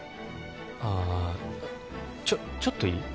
ああちょっちょっといい？